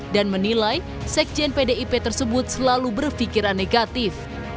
dan menilai zekjen pdip tersebut selalu berpikiran negatif